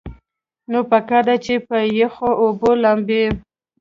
نو پکار ده چې پۀ يخو اوبو لامبي -